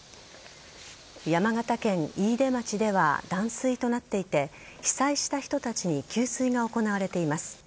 山形県飯豊町では断水となっていて被災した人たちに給水が行われています。